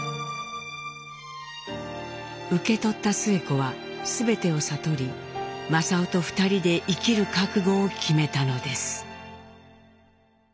受け取ったスエ子は全てを悟り正雄と２人で生きる覚悟を決めたのです。